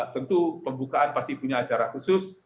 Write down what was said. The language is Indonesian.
tentu pembukaan pasti punya acara khusus